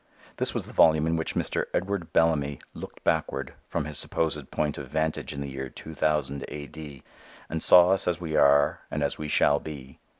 This was the volume in which Mr. Edward Bellamy "looked backward" from his supposed point of vantage in the year 2000 A. D. and saw us as we are and as we shall be.